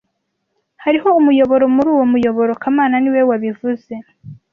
Hariho umuyoboro muri uwo muyoboro kamana niwe wabivuze